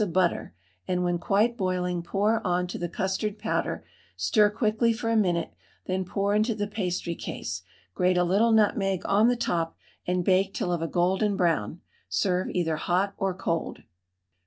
of butter and when quite boiling pour on to the custard powder, stir quickly for a minute, then pour into the pastry case, grate a little nutmeg on the top and bake till of a golden brown; serve either hot or cold.